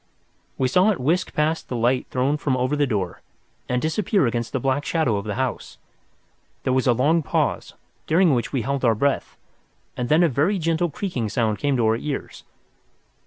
We saw it whisk past the light thrown from over the door and disappear against the black shadow of the house. There was a long pause, during which we held our breath, and then a very gentle creaking sound came to our ears.